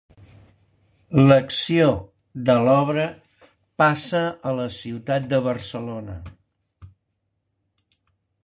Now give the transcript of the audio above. L'acció de l'obra passa a la ciutat de Barcelona.